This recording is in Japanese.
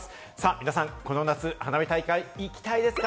皆さん、この夏、花火大会に行きたいですか？